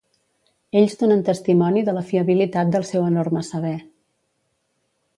Ells donen testimoni de la fiabilitat del seu enorme saber.